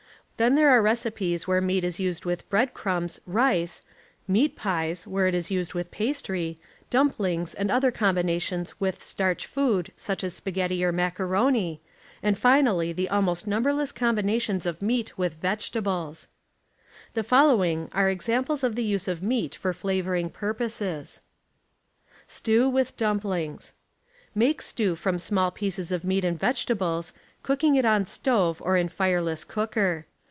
Then ,,. there are recipes where meat is used with bread substitution ,..,.,„ crumbs, rice, meat pies; where it is used with oi meat ^,,,,..., jiastry , dumplings and otiier combinations with starch food such as spaghetti or macaroni, and Anally the almost numberless combinations of meat with vegetables. The following arc examples of the use of meat for flavoring 2)urposes : STEW WITH DL'.MPLINGwS Make stew from small pieces of meat and vegetables, cooking it on stove or in flreless cooker.